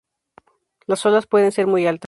Las olas pueden ser muy altas.